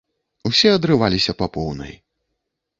Усе адрываліся па поўнай.